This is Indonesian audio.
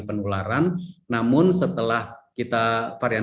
penularan namun setelah kita varian